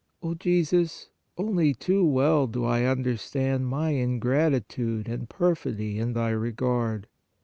" O Jesus, only too w T ell do I understand my in gratitude and perfidy in Thy regard.